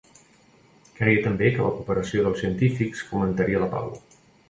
Creia també que la cooperació dels científics fomentaria la pau.